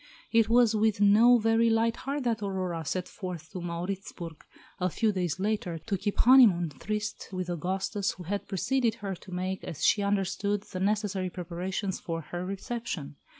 It was with no very light heart that Aurora set forth to Mauritzburg, a few days later, to keep "honeymoon tryst" with Augustus, who had preceded her, to make, as she understood, the necessary preparations for her reception.